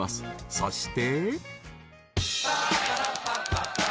［そして］